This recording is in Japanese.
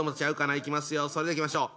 それではいきましょう！